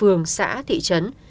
đồng xã thị trấn